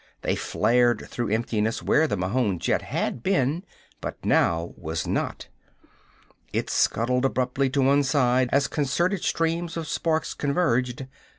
They flared through emptiness where the Mahon jet had been but now was not. It scuttled abruptly to one side as concerted streams of sparks converged.